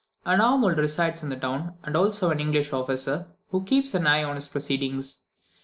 An aumil resides in the town, and also an English officer, who keeps an eye on his proceedings.